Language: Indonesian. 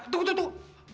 tuh tuh tuh